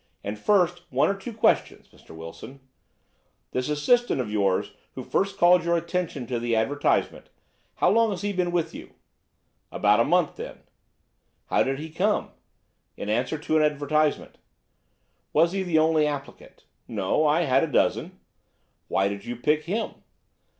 And, first, one or two questions, Mr. Wilson. This assistant of yours who first called your attention to the advertisement—how long had he been with you?" "About a month then." "How did he come?" "In answer to an advertisement." "Was he the only applicant?" "No, I had a dozen." "Why did you pick him?"